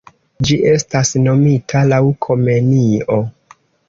Ĝi estas nomita laŭ Komenio.